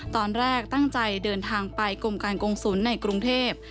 ตอนแรกตั้งใจเดินทางไปกรมการกงศูนย์ในกรุงเทพ